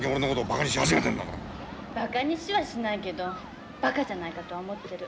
バカにしはしないけどバカじゃないかとは思ってる。